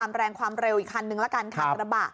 ความแรงความเร็วอีกคันนึงละกันครับครับ